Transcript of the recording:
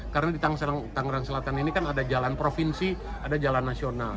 karena di tangerang selatan ini kan ada jalan provinsi ada jalan nasional